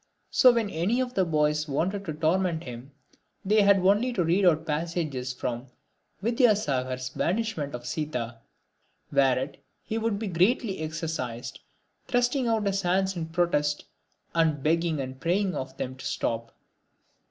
So when any one of the boys wanted to torment him they had only to read out passages from Vidyasagar's "Banishment of Sita"; whereat he would be greatly exercised, thrusting out his hands in protest and begging and praying of them to stop.